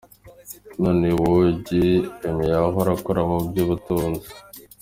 NneNne Iwuji-Eme yahora akora mu vy'ubutunzi.